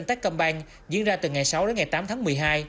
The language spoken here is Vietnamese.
tết công ban diễn ra từ ngày sáu đến ngày tám tháng một mươi hai